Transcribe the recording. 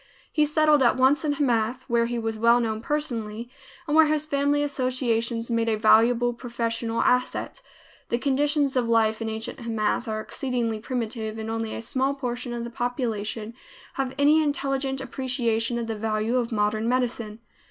He settled at once in Hamath, where he was well known personally, and where his family associations made a valuable professional asset. The conditions of life in ancient Hamath are exceedingly primitive and only a small portion of the population have any intelligent appreciation of the value of modern medicine.